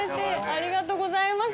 ありがとうございます